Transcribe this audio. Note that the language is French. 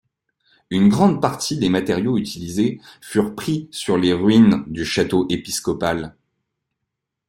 Une grande partie des matériaux utilisés furent pris sur les ruines du château épiscopal.